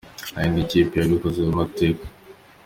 Nta yindi kipe yabikoze mu mateka.